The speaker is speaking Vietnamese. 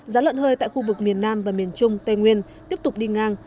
giá lợn hơi tại khu vực miền nam và miền trung tây nguyên tiếp tục đi ngang